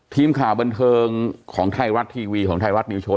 ทีมข่าวบันเทิงของไทยรัฐทีวีของไทยรัฐนิวโชว